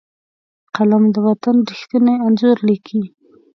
قلم د وطن ریښتیني انځور لیکي